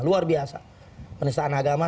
luar biasa penistaan agama